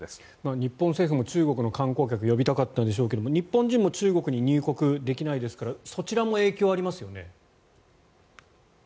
日本政府も中国の観光客を呼びたかったんでしょうけど日本人も中国に入国できないですからそちらも影響ありますよね。